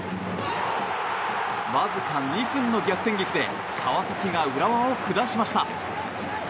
わずか２分の逆転劇で川崎が浦和を下しました。